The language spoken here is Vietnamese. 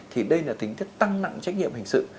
thì đây là tính thức tăng nặng trách nhiệm hình sự